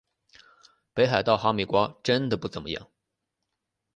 北海道哈密瓜真的不怎么样